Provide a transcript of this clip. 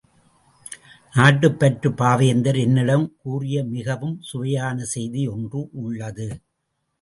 நாட்டுப் பற்று பாவேந்தர் என்னிடம் கூறிய மிகவும் சுவையான செய்தி ஒன்று உள்ளது.